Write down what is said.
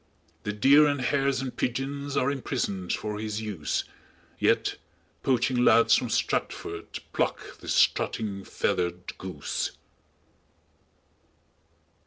The deer and hares and pidgeons Are imprisoned for his use, Yet, poaching lads from Stratford Pluck this strutting, feathered goose."